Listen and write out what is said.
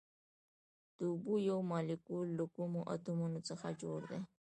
د اوبو یو مالیکول له کومو اتومونو څخه جوړ دی